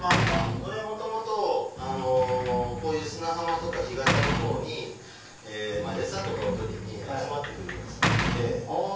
これ元々こういう砂浜とか干潟のほうに餌とかを取りに集まって来る魚で。